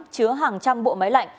chứa hàng trăm bộ máy lạnh